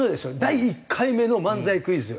第１回目の「漫才クイズ」。